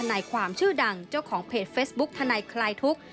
นายความชื่อดังเจ้าของเพจเฟซบุ๊คทนายคลายทุกข์